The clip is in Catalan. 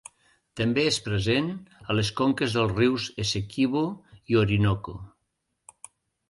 També és present a les conques dels rius Essequibo i Orinoco.